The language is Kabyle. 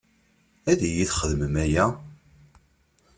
Ad iyi-txedmem aya?